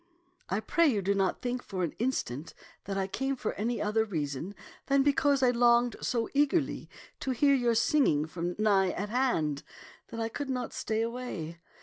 I pray you do not think for an instant that I came for any other reason than because I longed so eagerly to hear your singing from nigh at hand that I could not stay away.